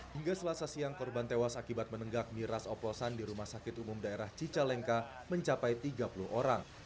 hingga selasa siang korban tewas akibat menenggak miras oplosan di rumah sakit umum daerah cicalengka mencapai tiga puluh orang